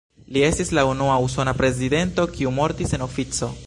Li estis la unua usona prezidento, kiu mortis en ofico.